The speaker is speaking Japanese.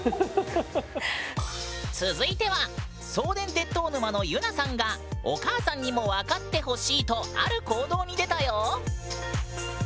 続いては送電鉄塔沼のゆなさんが「お母さんにも分かってほしい」とある行動に出たよ！